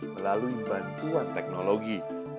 melalui bantuan teknologi